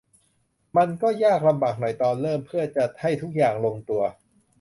มันก็ยากลำบากหน่อยตอนเริ่มเพื่อจะให้ทุกอย่างลงตัว